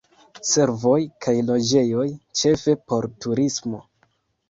Servoj kaj loĝejoj ĉefe por turismo.